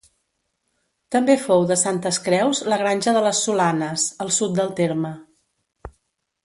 També fou de Santes Creus la granja de les Solanes, al sud del terme.